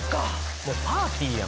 もうパーティーやん